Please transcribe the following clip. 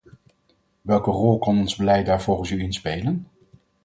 Welke rol kan ons beleid daar volgens u in spelen?